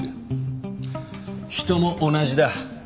人も同じだ。